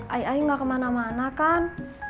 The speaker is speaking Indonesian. ai ai gak kemana mana kan